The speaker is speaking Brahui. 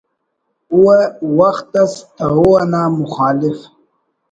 و وخت اس تہو انا مخالف